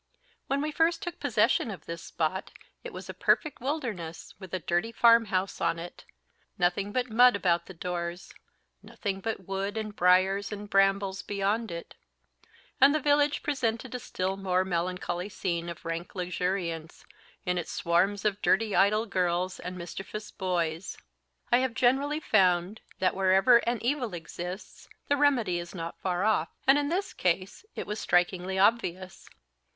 When we first took possession of this spot it was a perfect wilderness, with a dirty farm house on it; nothing but mud about the doors; nothing but wood and briers and brambles beyond it; and the village presented a still more melancholy scene of rank luxuriance, in its swarms of dirty idle girls and mischievous boys. I have generally found that wherever an evil exists the remedy is not far off; and in this case it was strikingly obvious.